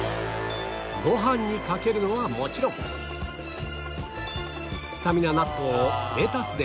ご飯にかけるのはもちろんスタミナ納豆をレタスで巻いたり